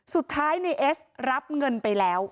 สุดท้ายในเอสรับเงินไปแล้ว